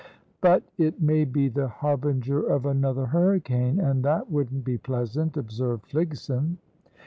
"But it may be the harbinger of another hurricane, and that wouldn't be pleasant," observed Fligson.